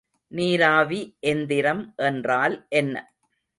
நீராவி எந்திரம் என்றால் என்ன?